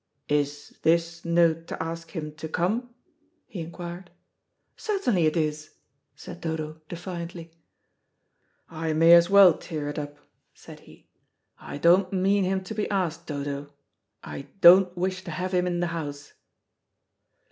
"Is this note to ask him to come?" he inquired. "Certainly it is," said Dodo defiantly. "I may as well tear it up," said he. "I don't mean him to be asked, Dodo. I don't wish to have him in the house."